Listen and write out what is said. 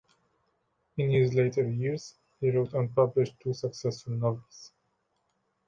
In his later years, he wrote and published two successful novels.